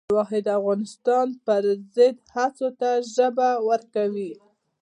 د واحد افغانستان پر ضد هڅو ته ژبه ورکوي.